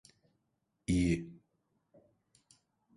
İyi.